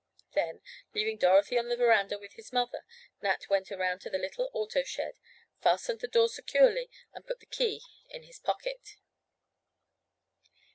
Then, leaving Dorothy on the veranda with his mother, Nat went around to the little auto shed, fastened the door securely and put the key into his pocket.